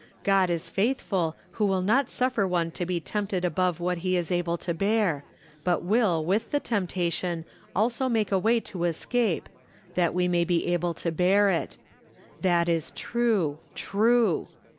" God is faith ful, who will not suffer one to be tempted above what he is able to bear ; but wUl with the temp tion also make a way to escape, that we may be able to bear it." That is true, true.